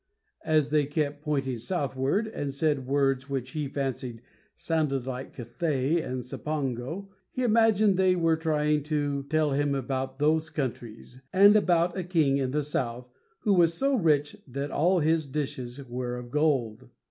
As they kept pointing southward, and said words which he fancied sounded like Cathay and Cipango, he imagined they were trying to tell him about those countries, and about a king in the south, who was so rich that all his dishes were of gold.